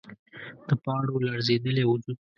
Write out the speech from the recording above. د پاڼو لړزیدلی وجود